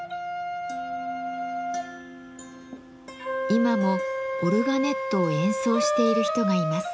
今もオルガネットを演奏している人がいます。